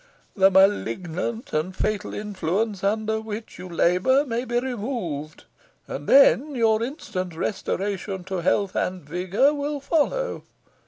The malignant and fatal influence under which you labour may be removed, and then your instant restoration to health and vigour will follow."